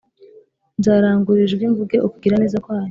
nzarangurura ijwi mvuge ukugiranez kwayo